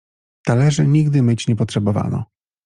"Talerzy nigdy myć nie potrzebowano."